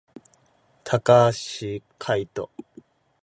高橋海人